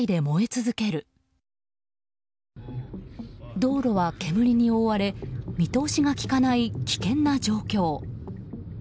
道路は煙に覆われ見通しが利かない危険な状況。